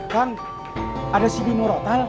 kan ada si dino rotal